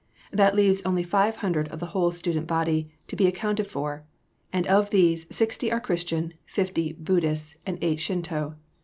That leaves only five hundred of the whole student body to be accounted for: and of these, sixty are Christian, fifty Buddhist, and eight Shinto....